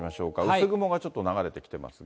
薄雲がちょっと流れてきてますが。